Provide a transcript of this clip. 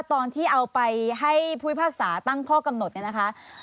ตอนที่เอาไปให้ผู้พิพากษาตั้งข้อกำหนดเนี่ยนะคะ